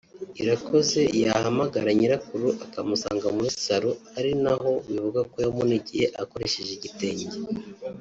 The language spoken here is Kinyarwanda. Irakoze yahamgare nyirakuru akamusanga muri saro ari naho bivugwa ko yamunigiye akoresheje igitenge